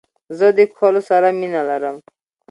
زه د کښلو سره مینه لرم.